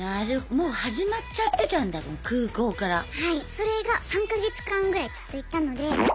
それが３か月間ぐらい続いたので。